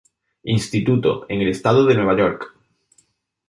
Instituto, en el estado de Nueva York.